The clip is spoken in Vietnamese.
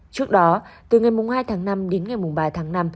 trước đó từ ngày hai tháng năm đến ngày ba tháng năm